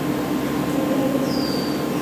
ډوډۍ